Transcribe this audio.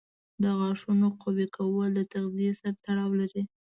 د غاښونو قوي کول د تغذیې سره تړاو لري.